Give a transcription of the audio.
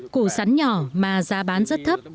củ sắn nhỏ mà giá bán rất thấp